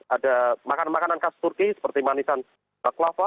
ada makanan makanan khas turki seperti manisan baklava